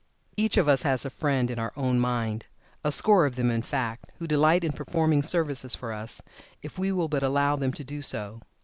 Each of us has "a friend" in our own mind a score of them in fact, who delight in performing services for us, if we will but allow them to do so.